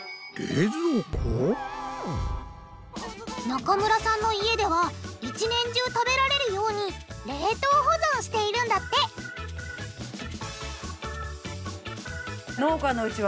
中村さんの家では一年中食べられるように冷凍保存しているんだってへぇ当たり前なんですか？